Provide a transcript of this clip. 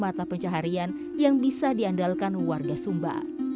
menjadi sumber mata pencaharian yang bisa diandalkan warga sumba